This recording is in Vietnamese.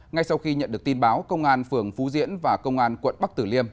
ngay sau khi nhận được tin báo công an phường phú diễn và công an quận bắc tử liêm